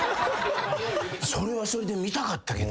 それはそれで見たかったけどな。